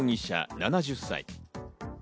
７０歳。